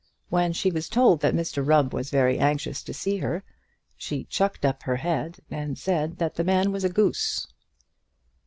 When she was told that Mr Rubb was very anxious to see her, she chucked up her head and said that the man was a goose.